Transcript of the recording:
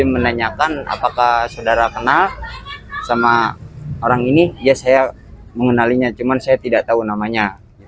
menanyakan apakah saudara kenal sama orang ini ya saya mengenalinya cuma saya tidak tahu namanya